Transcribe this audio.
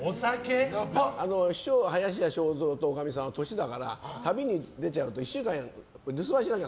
師匠、林家正蔵とおかみさんは年だから旅に出ちゃうと１週間いない。